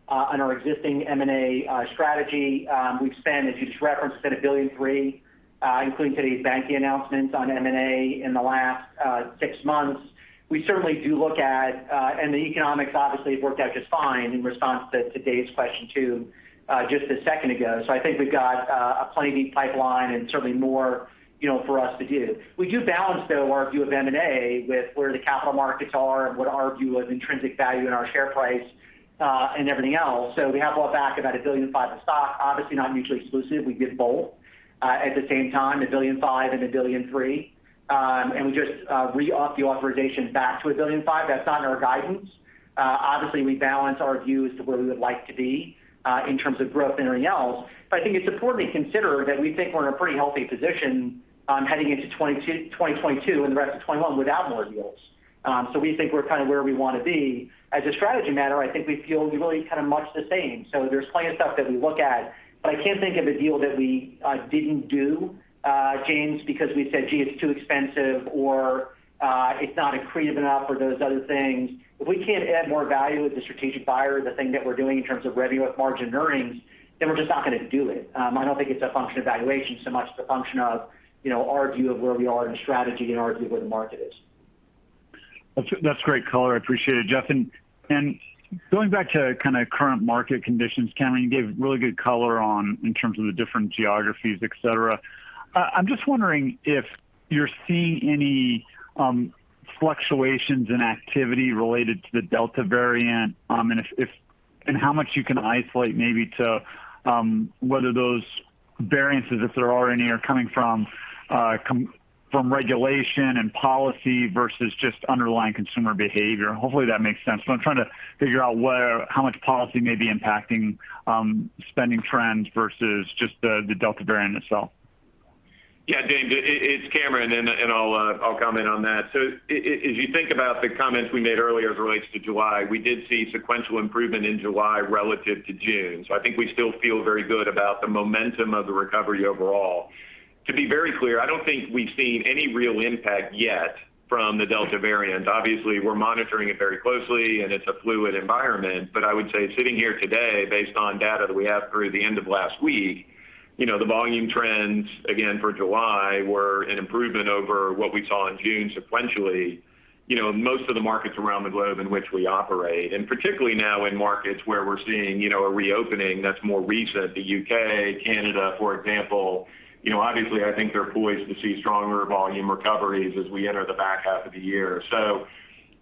on our existing M&A strategy. We've spent, as you just referenced, spent $1.3 billion, including today's Bankia announcement on M&A in the last six months. We certainly do look at, the economics obviously have worked out just fine in response to David's question too just one second ago. I think we've got a plenty pipeline and certainly more for us to do. We do balance, though, our view of M&A with where the capital markets are and what our view of intrinsic value in our share price, and everything else. We have bought back about $1.5 billion of stock. Obviously not mutually exclusive. We did both at the same time, $1.5 billion and $1.3 billion. We just re-upped the authorization back to $1.5 billion. That's not in our guidance. Obviously, we balance our views to where we would like to be in terms of growth and earnings. I think it's important to consider that we think we're in a pretty healthy position heading into 2022 and the rest of 2021 without more deals. We think we're where we want to be. As a strategy matter, I think we feel really much the same. There's plenty of stuff that we look at, but I can't think of a deal that we didn't do, James, because we said, "Gee, it's too expensive," or "It's not accretive enough," or those other things. If we can't add more value with a strategic buyer, the thing that we're doing in terms of revenue at margin earnings, then we're just not going to do it. I don't think it's a function of valuation so much as a function of our view of where we are in strategy and our view of where the market is. That's great color. I appreciate it, Jeff. Going back to current market conditions, Cameron, you gave really good color in terms of the different geographies, et cetera. I'm just wondering if you're seeing any fluctuations in activity related to the Delta variant, and how much you can isolate maybe to whether those variances, if there are any, are coming from regulation and policy versus just underlying consumer behavior. Hopefully that makes sense, but I'm trying to figure out how much policy may be impacting spending trends versus just the Delta variant itself. James, it's Cameron, and I'll comment on that. As you think about the comments we made earlier as it relates to July, we did see sequential improvement in July relative to June. So, I think we still feel very good about the momentum of the recovery overall. To be very clear, I don't think we've seen any real impact yet from the Delta variant. Obviously, we're monitoring it very closely, and it's a fluid environment. I would say sitting here today, based on data that we have through the end of last week, the volume trends, again, for July, were an improvement over what we saw in June sequentially. Most of the markets around the globe in which we operate, and particularly now in markets where we're seeing a reopening that's more recent, the U.K., Canada, for example. Obviously, I think they're poised to see stronger volume recoveries as we enter the back half of the year.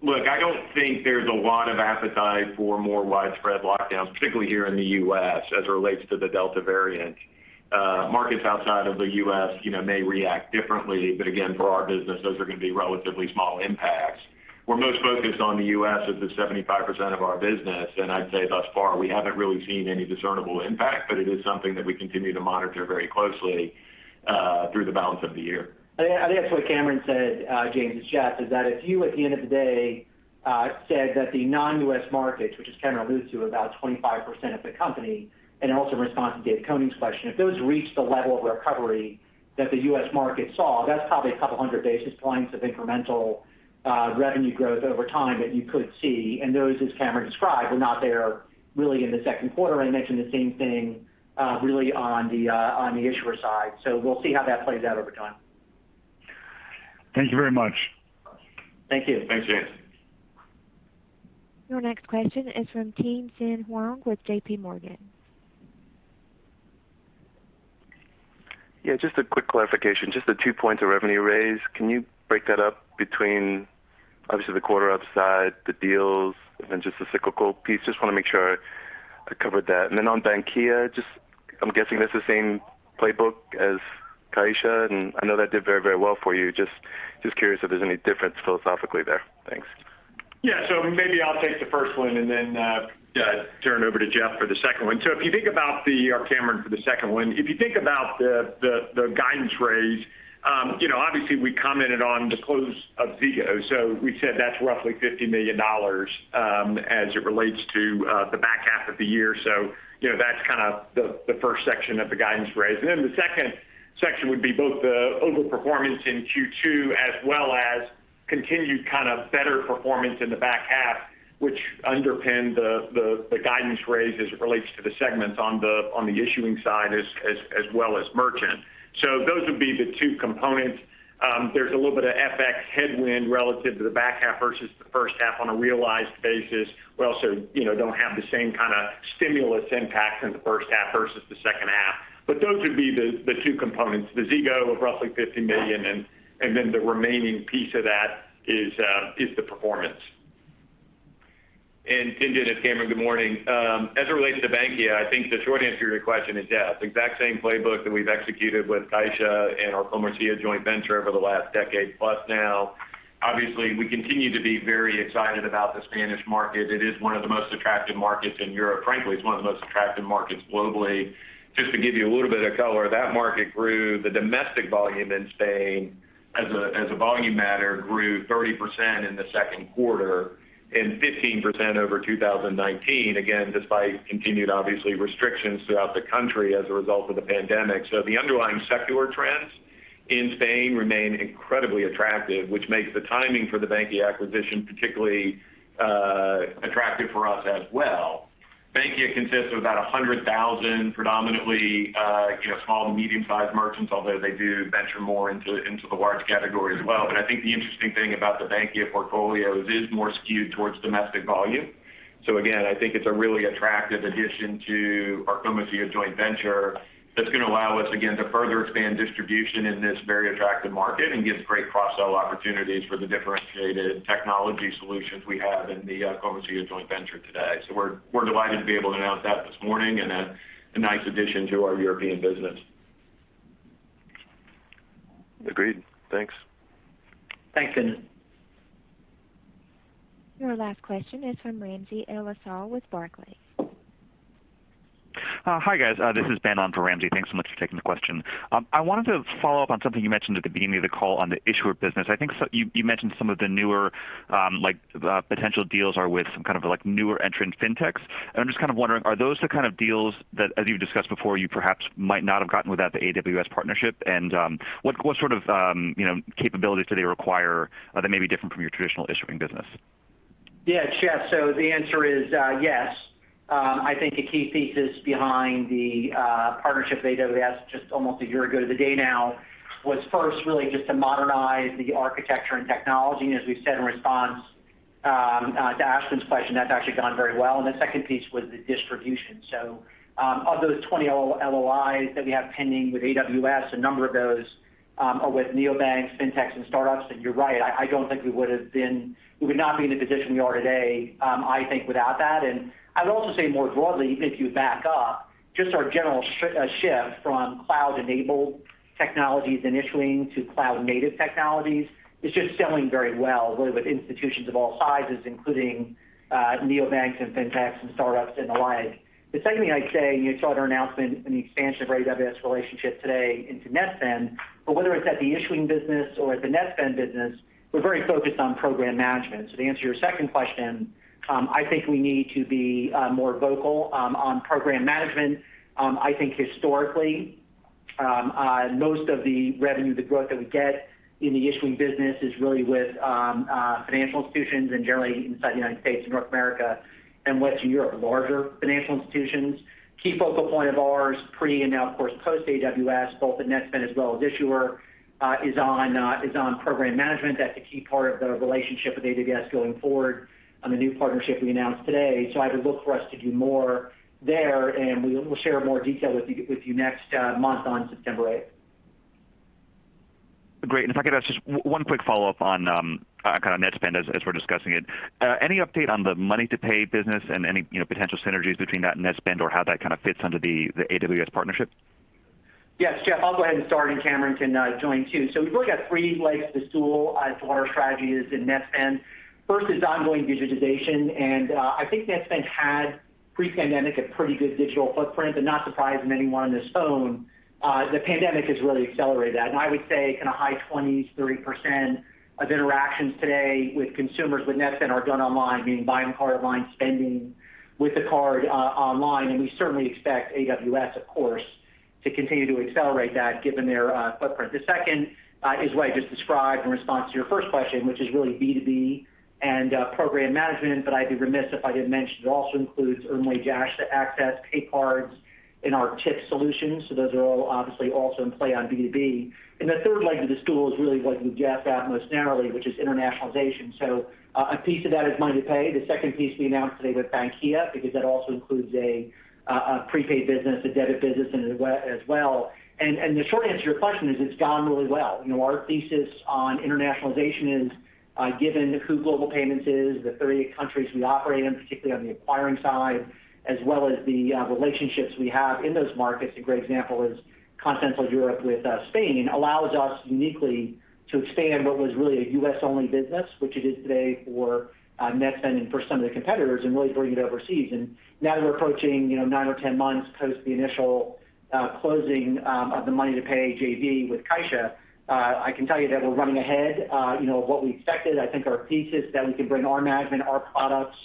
Look, I don't think there's a lot of appetite for more widespread lockdowns, particularly here in the U.S. as it relates to the Delta variant. Markets outside of the U.S. may react differently. Again, for our business, those are going to be relatively small impacts. We're most focused on the U.S. as the 75% of our business, and I'd say thus far, we haven't really seen any discernible impact, but it is something that we continue to monitor very closely through the balance of the year. I think that's what Cameron said, James, is that if you, at the end of the day, said that the non-U.S. markets, which as Cameron alluded to, are about 25% of the company, and also in response to David Koning's question, if those reach the level of recovery that the U.S. market saw, that's probably a couple of hundred basis points of incremental revenue growth over time that you could see. Those, as Cameron described, were not there really in the second quarter. I mentioned the same thing really on the Issuer side. We'll see how that plays out over time. Thank you very much. Thank you. Thanks, James. Your next question is from Tien-tsin Huang with JPMorgan. Yeah, just a quick clarification. Just the two points of revenue raise. Can you break that up between, obviously, the quarter upside, the deals, and just the cyclical piece? Just want to make sure I covered that. On Bankia, I'm guessing that's the same playbook as CaixaBank, and I know that did very well for you. Just curious if there's any difference philosophically there. Thanks. Yeah. Maybe I'll take the first one and then turn over to Jeff for the second one. Or Cameron for the second one. If you think about the guidance raise, obviously we commented on the close of Zego. We said that's roughly $50 million as it relates to the back half of the year. That's kind of the first section of the guidance raise. The second section would be both the overperformance in Q2 as well as continued better performance in the back half, which underpinned the guidance raise as it relates to the segments on the Issuing side as well as Merchant. Those would be the two components. There's a little bit of FX headwind relative to the back half versus the first half on a realized basis. We also don't have the same kind of stimulus impact in the first half versus the second half. Those would be the two components, the Zego of roughly $50 million, and then the remaining piece of that is the performance. Tien-tsin, it's Cameron, Good morning. As it relates to Bankia, I think the short answer to your question is yes, exact same playbook that we've executed with CaixaBank and our Comercia joint venture over the last decade plus now. Obviously, we continue to be very excited about the Spanish market. It is one of the most attractive markets in Europe. Frankly, it's one of the most attractive markets globally. Just to give you a little bit of color, that market grew, the domestic volume in Spain as a volume matter, grew 30% in the second quarter and 15% over 2019. Again, despite continued, obviously, restrictions throughout the country as a result of the pandemic. The underlying secular trends in Spain remain incredibly attractive, which makes the timing for the Bankia acquisition particularly attractive for us as well. Bankia consists of about 100,000 predominantly small to medium-sized merchants, although they do venture more into the large category as well. I think the interesting thing about the Bankia portfolio is it is more skewed towards domestic volume. Again, I think it's a really attractive addition to our Comercia joint venture that's going to allow us, again, to further expand distribution in this very attractive market and gives great cross-sell opportunities for the differentiated technology solutions we have in the Comercia joint venture today. We're delighted to be able to announce that this morning and a nice addition to our European business. Agreed. Thanks. Thanks, Tien-tsin. Your last question is from Ramsey El-Assal with Barclays. Hi, guys. This is Ben on for Ramsey. Thanks so much for taking the question. I wanted to follow up on something you mentioned at the beginning of the call on the Issuer business. I think you mentioned some of the newer potential deals are with some kind of newer entrant fintechs. I'm just kind of wondering, are those the kind of deals that, as you've discussed before, you perhaps might not have gotten without the AWS partnership? What sort of capabilities do they require that may be different from your traditional issuing business? Yeah, Jeff, the answer is yes. I think a key thesis behind the partnership with AWS just almost a year ago to the day now was first really just to modernize the architecture and technology. As we've said in response to Ashwin's question, that's actually gone very well. The second piece was the distribution. Of those 20 LOIs that we have pending with AWS, a number of those are with neobanks, fintechs, and startups. You're right, I don't think we would not be in the position we are today, I think, without that. I would also say more broadly, even if you back up, just our general shift from cloud-enabled technologies issuing to cloud-native technologies is just selling very well, really with institutions of all sizes, including neobanks and fintechs and startups and the like. The second thing I'd say, you saw in our announcement in the expansion of our AWS relationship today into Netspend. Whether it's at the Issuing business or at the Netspend business, we're very focused on program management. To answer your second question, I think we need to be more vocal on program management. I think historically, most of the revenue, the growth that we get in the Issuing business is really with financial institutions and generally inside the U.S., North America, and Western Europe, larger financial institutions. Key focal point of ours pre and now, of course, post-AWS, both in Netspend as well as Issuer is on program management. That's a key part of the relationship with AWS going forward on the new partnership we announced today. I would look for us to do more there, and we'll share more detail with you next month on September 8th. Great. If I could ask just one quick follow-up on kind of Netspend as we're discussing it. Any update on the MoneyToPay business and any potential synergies between that and Netspend or how that kind of fits under the AWS partnership? Yes, Jeff, I'll go ahead and start, and Cameron can join, too. We've really got three legs to stool as to what our strategy is in Netspend. First is ongoing digitization, and I think Netspend had pre-pandemic a pretty good digital footprint, but not surprising to anyone on this phone the pandemic has really accelerated that. I would say kind of high 20s, 30% of interactions today with consumers with Netspend are done online, meaning buying card online, spending with the card online. We certainly expect AWS, of course, to continue to accelerate that given their footprint. The second is what I just described in response to your first question, which is really B2B and program management. I'd be remiss if I didn't mention it also includes Early Access, pay cards, and our Tip Solutions. Those are all obviously also in play on B2B. The third leg of the stool is really what you gestured at most narrowly, which is internationalization. A piece of that is MoneyToPay. The second piece we announced today with Bankia, because that also includes a prepaid business, a debit business as well. The short answer to your question is it's gone really well. Our thesis on internationalization is given who Global Payments is, the 38 countries we operate in, particularly on the acquiring side, as well as the relationships we have in those markets. A great example is Continental Europe with Spain allows us uniquely to expand what was really a U.S.-only business, which it is today for Netspend and for some of the competitors, and really bring it overseas. Now that we're approaching nine or 10 months post the initial closing of the MoneyToPay JV with Caixa, I can tell you that we're running ahead of what we expected. I think our thesis that we could bring our management, our products,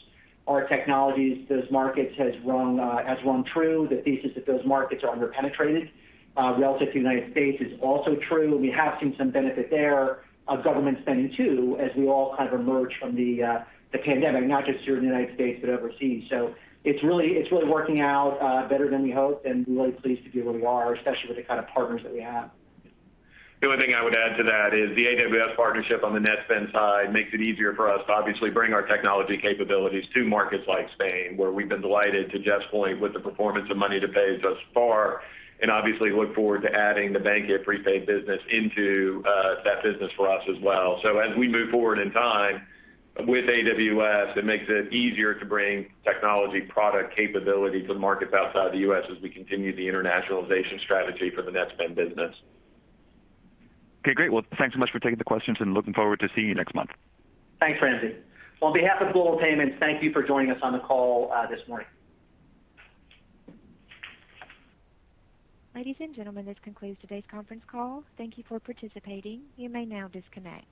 our technologies to those markets has rung true. The thesis that those markets are under-penetrated relative to United States is also true. We have seen some benefit there of government spending, too, as we all kind of emerge from the pandemic, not just here in the United States, but overseas. It's really working out better than we hoped, and we're really pleased to be where we are, especially with the kind of partners that we have. The only thing I would add to that is the AWS partnership on the Netspend side makes it easier for us to obviously bring our technology capabilities to markets like Spain, where we've been delighted to Jeff's point with the performance of MoneyToPay thus far, and obviously look forward to adding the Bankia prepaid business into that business for us as well. As we move forward in time with AWS, it makes it easier to bring technology product capability to markets outside the U.S. as we continue the internationalization strategy for the Netspend business. Okay, great. Well, thanks so much for taking the questions and looking forward to seeing you next month. Thanks, Ramsey. Well, on behalf of Global Payments, thank you for joining us on the call this morning. Ladies and gentlemen, this concludes today's conference call. Thank you for participating. You may now disconnect.